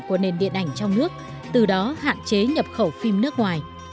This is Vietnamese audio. của nền điện ảnh trong nước từ đó hạn chế nhập khẩu phim nước ngoài